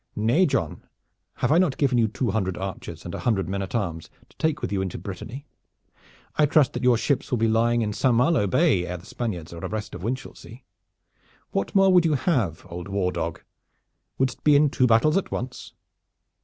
"Nay, John, have I not given you two hundred archers and a hundred men at arms to take with you into Brittany? I trust that your ships will be lying in Saint Malo Bay ere the Spaniards are abreast of Winchelsea. What more would you have, old war dog? Wouldst be in two battles at once?"